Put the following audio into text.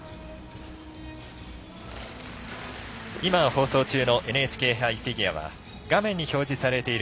今、放送中のＮＨＫ杯フィギュアは画面に表示されている